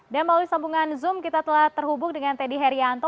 dan melalui sambungan zoom kita telah terhubung dengan teddy herianto